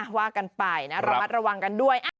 ว่ากันไปนะระมัดระวังกันด้วย